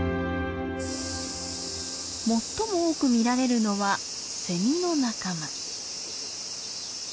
最も多く見られるのはセミの仲間。